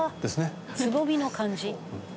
「ああつぼみの感じ？」